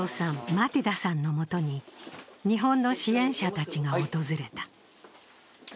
マティダさんのもとに日本の支援者たちが訪れた。